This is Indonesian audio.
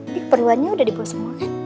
ini keperluannya udah dibawa semua kan